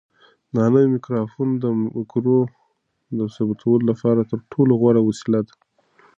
دا نوی مایکروفون د مرکو د ثبتولو لپاره تر ټولو غوره وسیله ده.